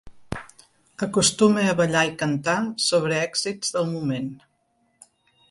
Acostuma a ballar i cantar sobre èxits del moment.